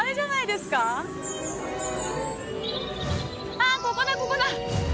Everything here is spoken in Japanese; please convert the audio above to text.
あここだここだ！